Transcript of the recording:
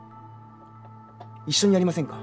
一緒にやりませんか？